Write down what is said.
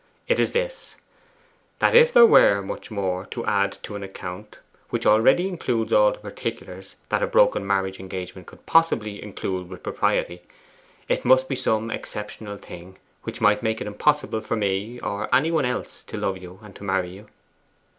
It is this: that if there WERE much more to add to an account which already includes all the particulars that a broken marriage engagement could possibly include with propriety, it must be some exceptional thing which might make it impossible for me or any one else to love you and marry you.